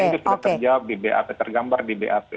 itu sudah terjawab di bap tergambar di bap